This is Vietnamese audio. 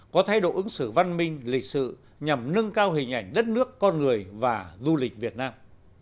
có thái độ ứng xử văn minh lịch sự nhằm nâng cao hình ảnh đất nước con người và du lịch việt nam